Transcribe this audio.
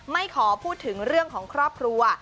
ไม่ขอพูดถึงเรื่องของครอบครัว